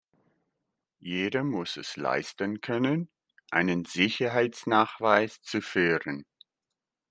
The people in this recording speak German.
Jeder muss es leisten können, einen Sicherheitsnachweis zu führen.